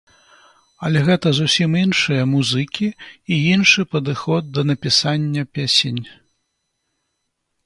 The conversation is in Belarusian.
Але гэта зусім іншыя музыкі, і іншы падыход да напісання песень.